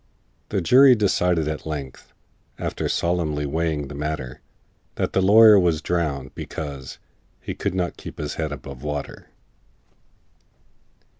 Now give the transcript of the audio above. The jury decided at length, After solemnly weighing the matter, That the lawyer was drownded, because He could not keep his head above water!